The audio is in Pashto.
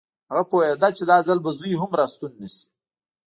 هغه پوهېده چې دا ځل به زوی هم راستون نه شي